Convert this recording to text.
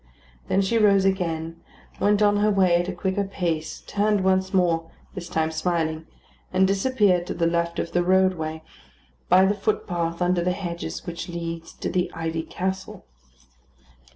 Then she rose again, went on her way at a quicker pace, turned once more, this time smiling, and disappeared to the left of the roadway, by the footpath under the hedges which leads to the Ivy Castle.